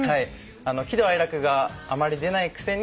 喜怒哀楽があまり出ないくせに。